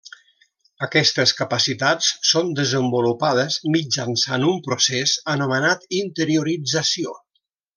Aquestes capacitats són desenvolupades mitjançant un procés anomenat interiorització.